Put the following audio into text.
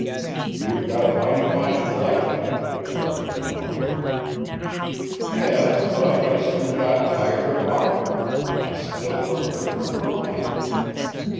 "You've got a mighty fine collection," struck in Barnes. "Yes, but I soon got tired of art I still hungered for romance.